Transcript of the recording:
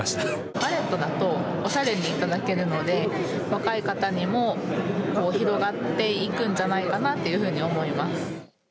ガレットだとおしゃれにいただけるので若い方にも広がっていくんじゃないかなというふうに思います。